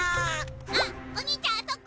あっおにいちゃんあそこ！